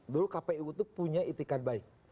dulu kpu itu punya itikat baik